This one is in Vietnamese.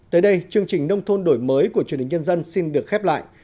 tới đây chương trình nông thôn đổi mới của truyền hình nhân dân xin được khép lại